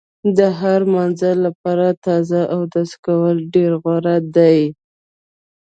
د هر مانځه لپاره تازه اودس کول ډېر غوره دي.